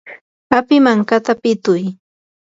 api mankata pituy.